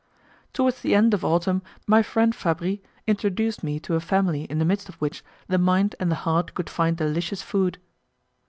Towards the end of autumn my friend Fabris introduced me to a family in the midst of which the mind and the heart could find delicious food.